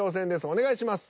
お願いします。